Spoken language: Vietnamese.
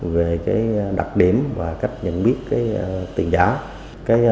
về đặc điểm và cách nhận biết tiền giả